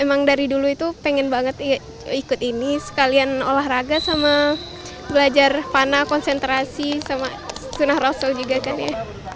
emang dari dulu itu pengen banget ikut ini sekalian olahraga sama belajar panah konsentrasi sama sunah rasul juga kan ya